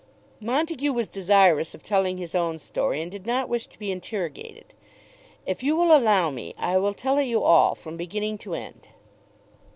Montague was desirous of telling his own story, and did not wish to be interrogated. "If you will allow me I will tell it you all from beginning to end."